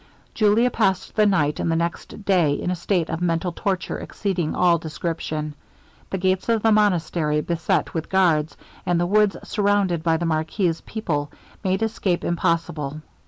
Julia passed the night and the next day in a state of mental torture exceeding all description. The gates of the monastery beset with guards, and the woods surrounded by the marquis's people, made escape impossible.